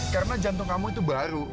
karena jantung kamu itu baru